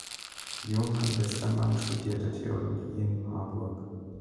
Johann Westermann studierte Theologie in Marburg.